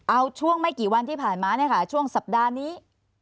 เอาช่วงไม่กี่วันที่ผ่านมาเนี่ยค่ะช่วงสัปดาห์นี้